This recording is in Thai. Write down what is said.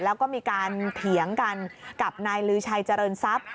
แล้วก็มีการเถียงกันกับนายลือชัยเจริญทรัพย์